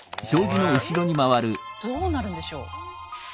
どうなるんでしょう？